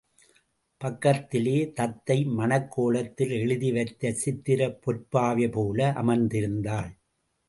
பக்கத்திலே தத்தை மனக்கோலத்தில் எழுதி வைத்த சித்திரப் பொற்பாவைபோல அமர்ந்திருந்தாள்.